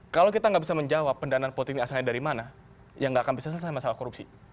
kalau kita nggak bisa menjawab pendanaan politik asalnya dari mana ya nggak akan bisa selesai masalah korupsi